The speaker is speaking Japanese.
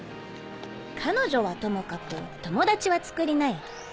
彼女はともかく友達はつくりなよ。